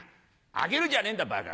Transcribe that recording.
あげるんじゃねえんだバカ。